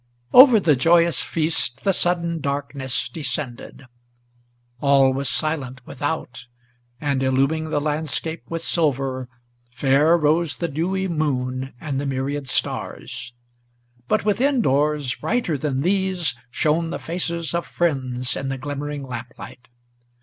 Over the joyous feast the sudden darkness descended. All was silent without, and, illuming the landscape with silver, Fair rose the dewy moon and the myriad stars; but within doors, Brighter than these, shone the faces of friends in the glimmering lamplight.